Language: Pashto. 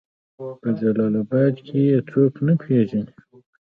په جلال آباد کې يې څوک نه پېژني